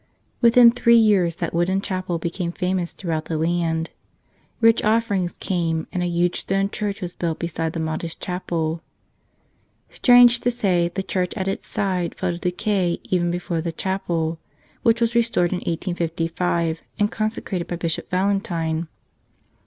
Within three years that wooden chapel became famous throughout the land. Rich offerings came, and a huge stone church was built beside the modest chapel. Strange to say, the church at its side fell to decay even before the chapel, which was restored in 1855 and consecrated by Bishop Valen¬ tine.